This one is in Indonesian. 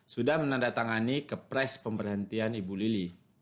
sudah menandatangani kepres pemberhentian ibu lili